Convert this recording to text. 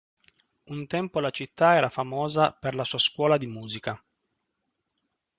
Un tempo la città era famosa per la sua scuola di musica.